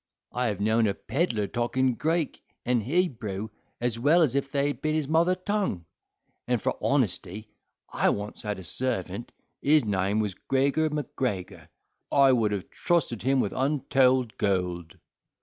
I have known a pedlar talk in Greek and Hebrew as well as if they had been his mother tongue. And for honesty—I once had a servant, his name was Gregor Macgregor, I would have trusted him with untold gold."